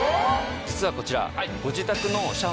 実はこちら。